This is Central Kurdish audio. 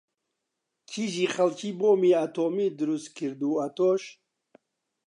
کیژی خەڵکی بۆمی ئاتۆمی دروست کرد و ئەتۆش